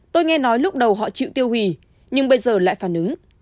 tôi nghe nói lúc đầu họ chịu tiêu hủy nhưng bây giờ lại phản ứng